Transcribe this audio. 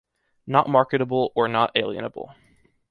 Not marketable or not alienable.